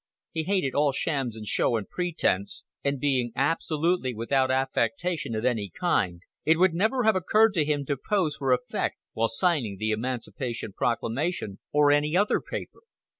He hated all shams and show and pretense, and being absolutely without affectation of any kind, it would never have occurred to him to pose for effect while signing the Emancipation Proclamation or any other paper.